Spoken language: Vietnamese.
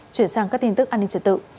chuyển sang các tin tức an ninh trật tự